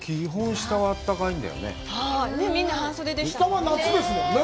下は夏ですもんね。